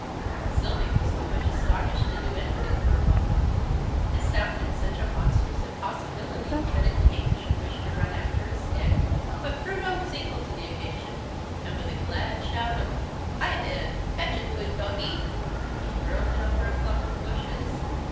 Sylvie was too much astonished to do anything for a moment: it sounded such a monstrous impossibility that a King should wish to run after a stick. But Bruno was equal to the occasion, and with a glad shout of "Hi then! Fetch it, good Doggie!" he hurled it over a clump of bushes.